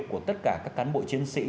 của tất cả các cán bộ chiến sĩ